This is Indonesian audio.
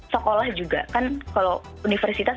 sekolah juga kan kalau universitas